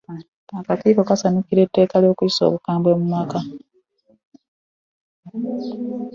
Akakiiko kasanyukira eky’okuyisa Etteeka ly’Obukambwe mu Maka.